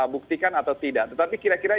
buktikan atau tidak tetapi kira kira